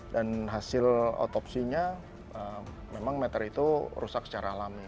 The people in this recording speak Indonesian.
dan hasil otopsinya memang meter itu rusak secara alami